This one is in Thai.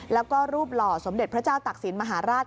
แล้วก็รูปหล่อสมเด็จพระเจ้าตักศิลปมหาราช